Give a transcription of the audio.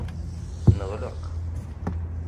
Neɣleq.